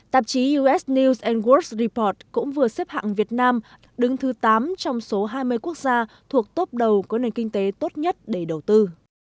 tạp chí us news angeld report cũng vừa xếp hạng việt nam đứng thứ tám trong số hai mươi quốc gia thuộc tốp đầu có nền kinh tế tốt nhất để đầu tư